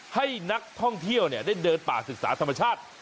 ให้นักท่องเที่ยวได้เดินป่าศึกษาธรรมชาติ